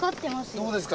どうですか？